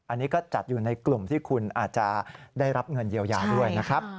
อันนี้ก็จัดอยู่ในกลุ่มที่คุณอาจจะได้รับเงินเยียวยาด้วยนะครับ